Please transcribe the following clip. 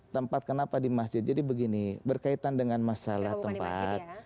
tempat kenapa di masjid jadi begini berkaitan dengan masalah tempat